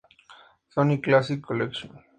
Sonic Classic Collection